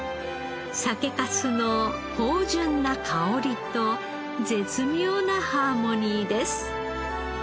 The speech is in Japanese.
酒かすの芳醇な香りと絶妙なハーモニーです。